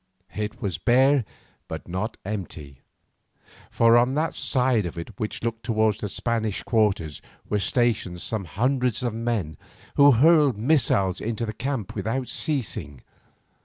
It was bare but not empty, for on that side of it which looked towards the Spanish quarters were stationed some hundreds of men who hurled missiles into their camp without ceasing.